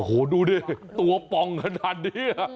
โอ้โหดูดิตัวป่องขนาดนี้